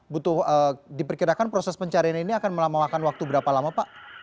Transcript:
butuh diperkirakan proses pencarian ini akan melamakan waktu berapa lama pak